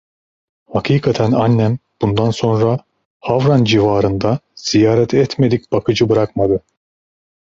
Hakikaten annem bundan sonra Havran civarında ziyaret etmedik bakıcı bırakmadı.